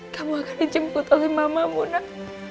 kamu akan dijemput oleh mamamu nak